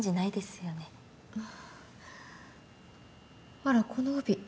あらこの帯。